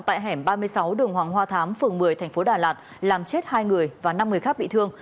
tại hẻm ba mươi sáu đường hoàng hoa thám phường một mươi thành phố đà lạt làm chết hai người và năm người khác bị thương